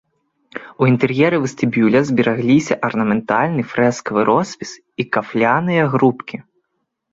У інтэр'еры вестыбюля зберагліся арнаментальны фрэскавы роспіс і кафляныя грубкі.